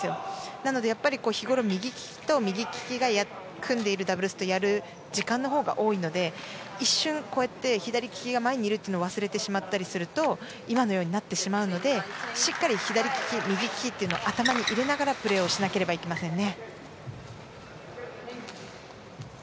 なのでやっぱり日ごろ、右利きと右利きが組んでいるダブルスとやる時間のほうが多いので一瞬左利きが前にいることを忘れてしまったりすると今のようになってしまうのでしっかり左利き、右利きというのを頭に入れながらプレーしなければいけませんね。